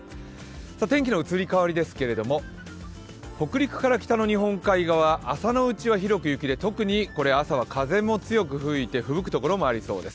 天気の移り変わりですけれども北陸から北の日本海側朝のうちは広く雪で風も強く吹いて吹雪くところもありそうです。